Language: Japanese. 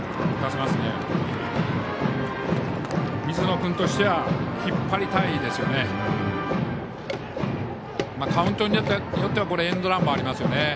水野君としては引っ張りたいですよね。